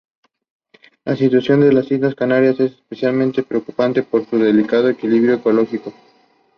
Her work appeared under the pseudonym Eleanor Hyde as well as her own name.